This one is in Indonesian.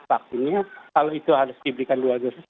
vaksinnya kalau itu harus diberikan dua dosis